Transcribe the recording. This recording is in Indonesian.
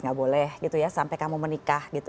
gak boleh gitu ya sampai kamu menikah gitu